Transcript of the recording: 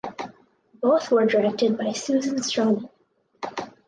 Both were directed by Susan Stroman.